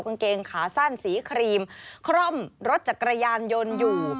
กางเกงขาสั้นสีครีมคร่อมรถจักรยานยนต์อยู่